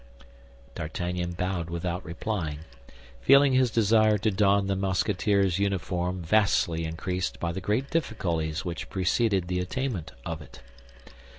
D'Artagnan bowed without replying, feeling his desire to don the Musketeer's uniform vastly increased by the great difficulties which preceded the attainment of it.